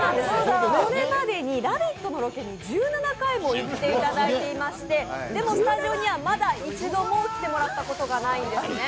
これまでに「ラヴィット！」のロケに１７回も行ってもらっていましてでもスタジオにはまだ一度も来てもらったことがないんですね。